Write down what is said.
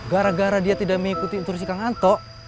gara gara dia tidak mengikuti intrusi kang anto